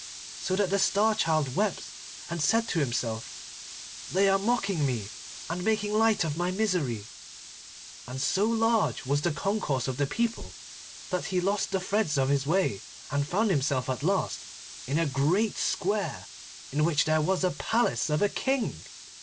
so that the Star Child wept, and said to himself, 'They are mocking me, and making light of my misery.' And so large was the concourse of the people, that he lost the threads of his way, and found himself at last in a great square, in which there was a palace of a King.